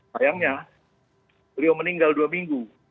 sayangnya beliau meninggal dua minggu